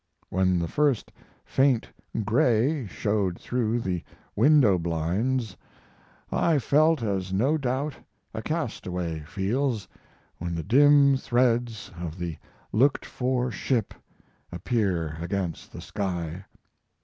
When the first faint gray showed through the window blinds I felt as no doubt a castaway feels when the dim threads of the looked for ship appear against the sky.